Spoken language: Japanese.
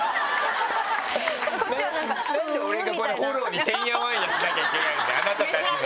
なんで俺がフォローにてんやわんやしなきゃいけないんだあなたたちの。